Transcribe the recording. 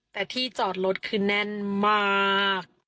แต่ที่จอดรถคือแน่นมาก